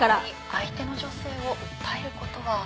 相手の女性を訴えることは？